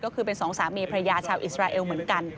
ก็คือเป็นสองสามีพระยาชาวอิสราเอลเหมือนกัน